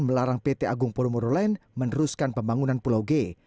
melarang pt agung podomoro land meneruskan pembangunan pulau g